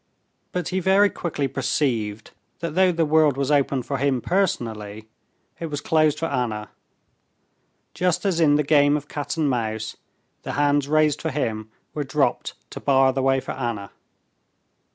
But he very quickly perceived that though the world was open for him personally, it was closed for Anna. Just as in the game of cat and mouse, the hands raised for him were dropped to bar the way for Anna.